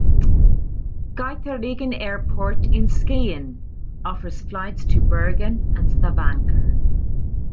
Geiteryggen Airport in Skien offers flights to Bergen and Stavanger.